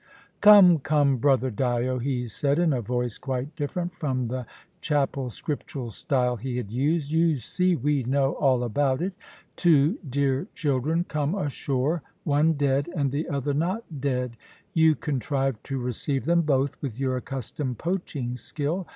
"Come, come, brother Dyo," he said, in a voice quite different from the Chapel Scriptural style he had used; "you see, we know all about it. Two dear children come ashore, one dead, and the other not dead. You contrive to receive them both, with your accustomed poaching skill.